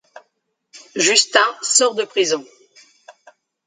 Justin sort de prison.